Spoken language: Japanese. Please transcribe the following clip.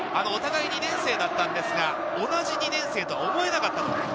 お互い２年生なんですが、同じ２年生とは思えなかった。